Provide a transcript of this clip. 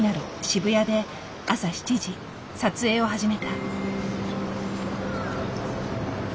渋谷で朝７時撮影を始めた。